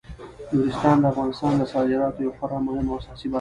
نورستان د افغانستان د صادراتو یوه خورا مهمه او اساسي برخه ده.